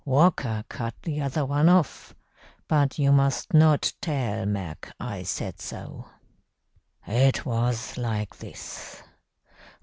Walker cut the other one off, but you must not tell Mac I said so. "It was like this.